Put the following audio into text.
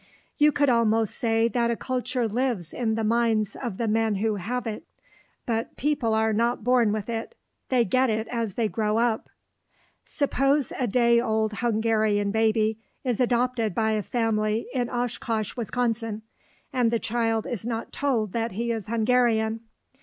You could almost say that a culture lives in the minds of the men who have it. But people are not born with it; they get it as they grow up. Suppose a day old Hungarian baby is adopted by a family in Oshkosh, Wisconsin, and the child is not told that he is Hungarian.